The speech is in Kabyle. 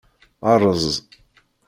Rreẓ.